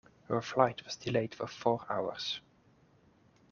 Her flight was delayed for four hours.